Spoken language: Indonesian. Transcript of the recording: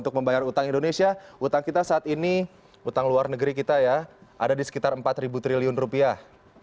untuk membayar utang indonesia utang kita saat ini utang luar negeri kita ya ada di sekitar empat triliun rupiah